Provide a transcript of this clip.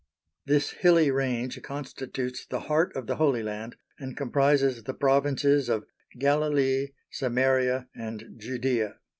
This hilly range constitutes the heart of the Holy Land and comprises the provinces of Galilee, Samaria, and Judæa.